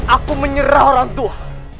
aku menyerah orang tua